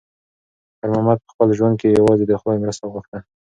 خیر محمد په خپل ژوند کې یوازې د خدای مرسته غوښته.